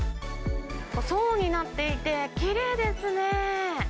層になっていて、きれいですね。